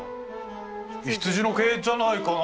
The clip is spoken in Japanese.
羊の毛じゃないかな？